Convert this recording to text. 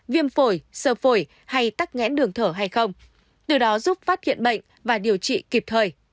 viêm phổi sơ phổi hay tắc nghẽn đường thở hay không từ đó giúp phát hiện bệnh và điều trị kịp thời